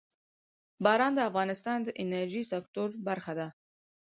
باران د افغانستان د انرژۍ سکتور برخه ده.